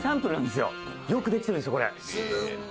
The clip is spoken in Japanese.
よくできてるでしょこれ。